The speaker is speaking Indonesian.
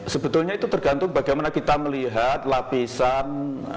sebetulnya itu tergantung bagaimana kita melihat lapisan